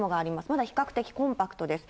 まだ比較的コンパクトです。